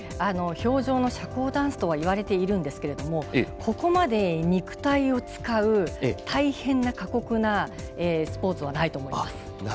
氷上の社交ダンスとはいわれていますがここまで肉体を使う大変な、過酷なスポーツはないと思います。